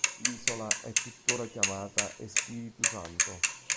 L'isola è tuttora chiamata Espiritu Santo.